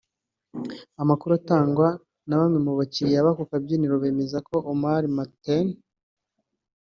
Amakuru atangwa na bamwe mu bakiriya b’ako kabyiniro bemeza ko Omar Mateen